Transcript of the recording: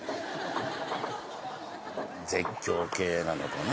絶叫系なのかな？